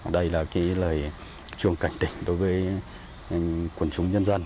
đây là lời chuông cảnh tỉnh đối với quần chúng nhân dân